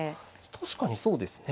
確かにそうですね。